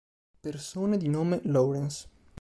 Persone di nome Lawrence